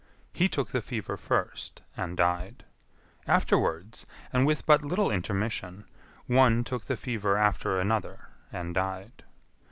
He took the fever first and died. Afterwards, and with but little intermission, one took the fever after another and died.